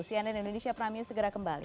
cnn indonesia prime news segera kembali